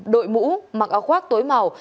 đội mũ mặc áo khoác tối màu